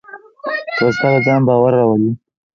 ځغاسته د ځان باور راولي